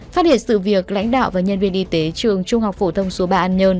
phát hiện sự việc lãnh đạo và nhân viên y tế trường trung học phổ thông số ba an nhơn